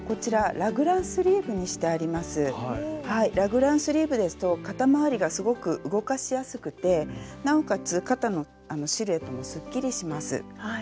ラグランスリーブですと肩まわりがすごく動かしやすくてなおかつ肩のシルエットもすっきりします。